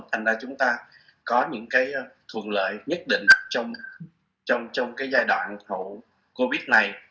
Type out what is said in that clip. thành ra chúng ta có những cái thuận lợi nhất định trong cái giai đoạn hậu covid này